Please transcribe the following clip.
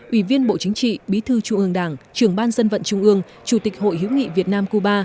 ủy viên bộ chính trị bí thư trung ương đảng trưởng ban dân vận trung ương chủ tịch hội hiểu nghị việt nam cuba